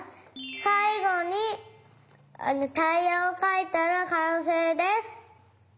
さいごにタイヤをかいたらかんせいです。